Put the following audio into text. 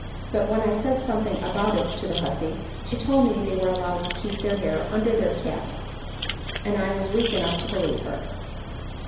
But when I said something about it to the hussy, she told me they were allowed to keep their hair under their caps, and I was weak enough to believe her."